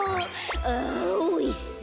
「あおいしそう。